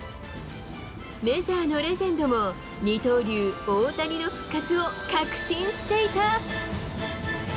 メジャーのレジェンドも、二刀流、大谷の復活を確信していた。